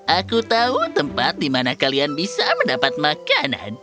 aku tahu tempat di mana kalian bisa mendapat makanan